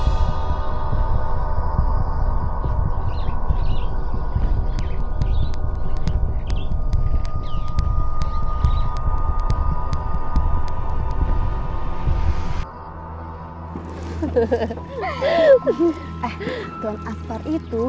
eh tuan aspar itu